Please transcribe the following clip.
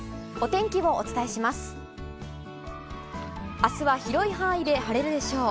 明日は広い範囲で晴れるでしょう。